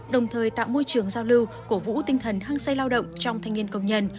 đồng thời tạo môi trường giao lưu cổ vũ tinh thần hăng xây lao động trong thanh niên công nhân